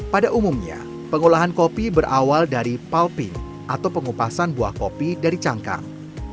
pada umumnya pengolahan kopi berawal dari palping atau pengupasan buah kopi dari cangkang